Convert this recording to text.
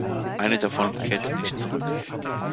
Eine davon kehrte nicht zurück.